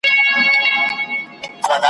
خو جاهل اولس ,